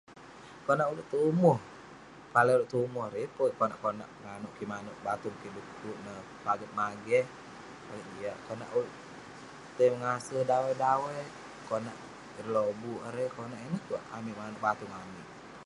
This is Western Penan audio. Konak ulouk tumu, kalau ulouk tumu erei, yeng pun konak konak penganewk kik manouk batung kik pu'kuk neh paget mageh, paget jiak..konak ulouk tai mengase dawai dawai, konak ireh lobuk erei..konak ineh tuwerk amik manouk batung amik..